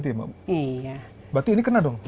berarti ini kena dong